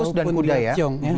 walaupun dia ciong ya